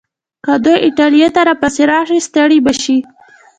که دوی ایټالیې ته راپسې راشي، ستړي به شي.